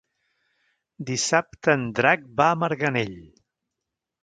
Dissabte en Drac va a Marganell.